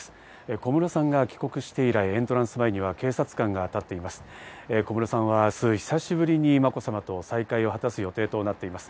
小室さんが帰国して以来、エントランス前には警察官が立っています。